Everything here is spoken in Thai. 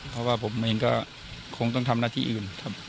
เพราะว่าผมเองก็คงต้องทำหน้าที่อื่นครับ